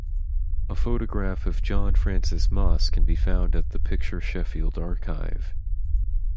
A photograph of John Francis Moss can be found at the Picture Sheffield archive.